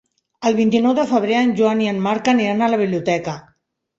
El vint-i-nou de febrer en Joan i en Marc aniran a la biblioteca.